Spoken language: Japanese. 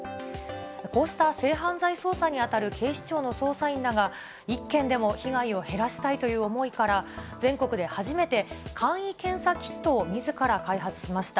こうした性犯罪捜査に当たる警視庁の捜査員らが、一件でも被害を減らしたいという思いから、全国で初めて、簡易検査キットをみずから開発しました。